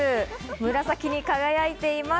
紫に輝いています。